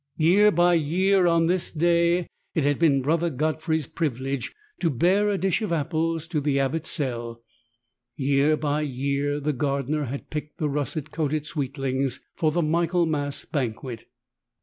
Year by year on this day it had been Brother Godfrey's privilege to bear a dish of apples to the Abbot's cell ; year by year the gardener had picked the russet coated sweetlings for the Michaelmas banquet.